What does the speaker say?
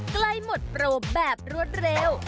ใกล้หมดโปรแบบรวดเร็ว